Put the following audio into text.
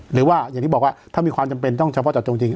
หรือว่าอย่างที่บอกว่าถ้ามีความจำเป็นต้องเฉพาะเจาะจงจริง